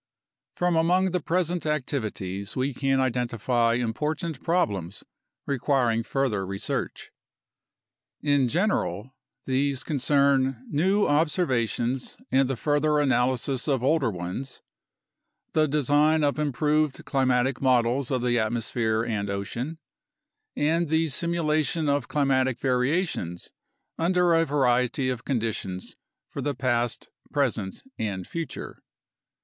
From among the present activities we can identify important prob lems requiring further research. In general, these concern new observa tions and the further analysis of older ones, the design of improved climatic models of the atmosphere and ocean, and the simulation of climatic variations under a variety of conditions for the past, present, and future.